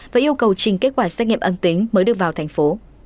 và yêu cầu trình kết quả xét nghiệm âm tính mới được vào thành phố